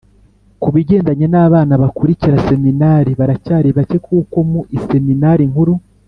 ku bigendanye n’abana bakurikira seminari baracyari bake, kuko mu i seminari nkuru